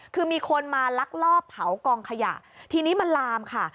คือมีคนมาลักลอบเผากองขยะทีนี้มันลามค่ะ